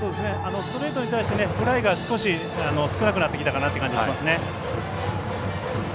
ストレートに対してフライが少し少なくなってきたかなという感じがしますね。